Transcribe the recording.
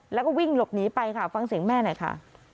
แล้วก็วิ่งหลบหนีไปค่ะฟังเสียงแม่หน่อยค่ะ